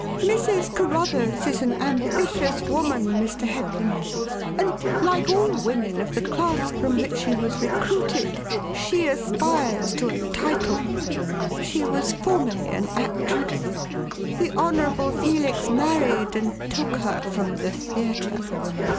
Mrs. Carruthers is an ambitious woman, Mr. Headland, and, like all women of the class from which she was recruited, she aspires to a title. She was formerly an actress. The Honourable Felix married and took her from the theatre.